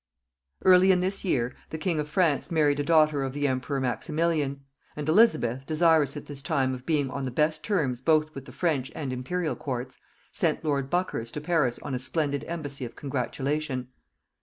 Early in this year the king of France married a daughter of the emperor Maximilian; and Elizabeth, desirous at this time of being on the best terms both with the French and Imperial courts, sent lord Buckhurst to Paris on a splendid embassy of congratulation.